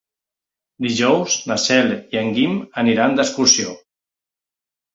Dijous na Cel i en Guim aniran d'excursió.